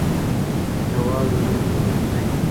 د واورې نوم مهم دی.